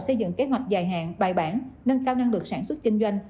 xây dựng kế hoạch dài hạn bài bản nâng cao năng lực sản xuất kinh doanh